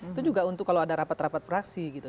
itu juga untuk kalau ada rapat rapat praksi gitu